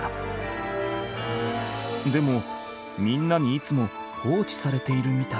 でもみんなにいつも放置されているみたい。